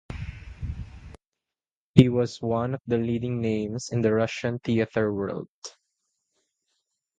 He was one of the leading names in the Russian theatre world.